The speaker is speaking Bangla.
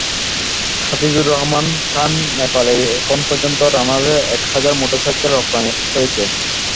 হাফিজুর রহমান খান নেপালে এখন পর্যন্ত রানারের এক হাজার মোটরসাইকেল রপ্তানি হয়েছে।